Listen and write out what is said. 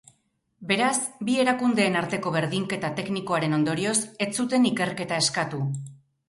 Beraz, bi erakundeen arteko berdinketa teknikoaren ondorioz, ez zuten ikerketa eskatu.